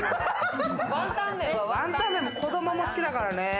ワンタン麺も子供好きだからね。